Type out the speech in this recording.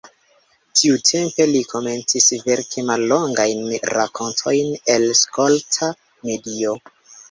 Tiutempe li komencis verki mallongajn rakontojn el skolta medio.